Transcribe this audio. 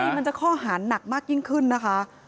มันจะข้อหาหนักมากยิ่งขึ้นนะคะ